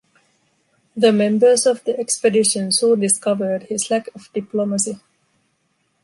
The members of the expedition soon discovered his lack of diplomacy.